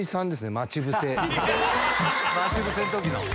『まちぶせ』の時の。